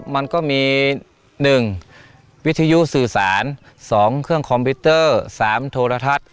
มันก็มี๑วิทยุสื่อสาร๒เครื่องคอมพิวเตอร์๓โทรทัศน์